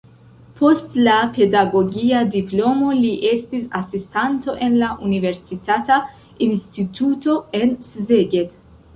Post la pedagogia diplomo li estis asistanto en la universitata instituto en Szeged.